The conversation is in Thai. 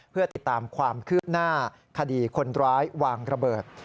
เพื่อติดตามความคืบหน้าคดีคนร้ายวางระเบิด